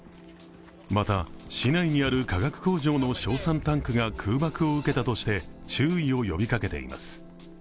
また、市内にある化学工場の硝酸タンクが空爆を受けたとして注意を呼びかけています。